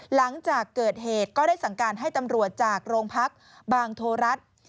หลังจากเกิดเหตุก็ได้สั่งการให้ตำรวจจากโรงพักบางโทรัฐ